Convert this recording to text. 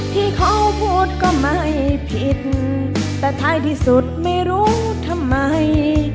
ที่เขาพูดก็ไม่ผิดแต่ท้ายที่สุดไม่รู้ทำไม